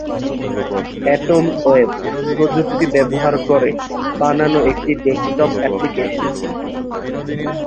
Atom web প্রযুক্তি ব্যবহার করে বানানো একটি ডেস্কটপ অ্যাপলিকেশন।